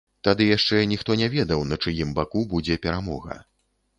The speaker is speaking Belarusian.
Тады яшчэ ніхто не ведаў, на чыім баку будзе перамога.